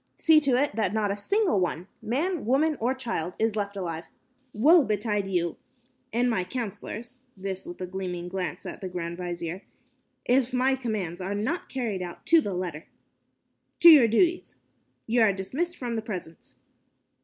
See to it that not a single one man, woman, or child is left alive. Woe betide you, and you my counselors" this with a meaning glance at the grand vizier "if my commands are not carried out to the letter. To your duties. Ye are dismissed from the presence."